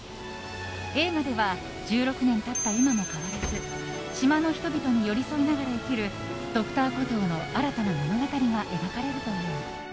映画では１６年経った今も変わらず島の人々と寄り添いながら生きるＤｒ．コトーの新たな物語が描かれるという。